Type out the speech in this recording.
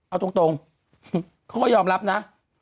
เอาตรงเขาก็ยอมรับนะ